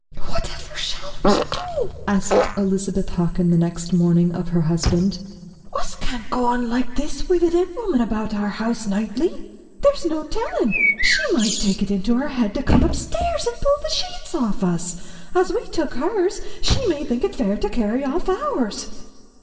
"Whatever shall we do?" asked Elizabeth Hockin next morning of her husband. "Us can't go on like this wi' the dead woman about our house nightly. There's no tellin' she might take it into her head to come upstairs and pull the sheets off us. As we took hers, she may think it fair to carry off ours."